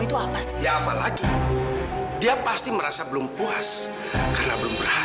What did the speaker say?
kamu kan yang menyebabkan kecelakaan itu dan membuat anak saya jadi celaka